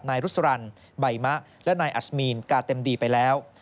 รุษรันใบมะและนายอัศมีนกาเต็มดีไปแล้ว